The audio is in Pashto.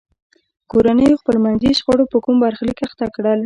کورنیو خپلمنځي شخړو په کوم برخلیک اخته کړل.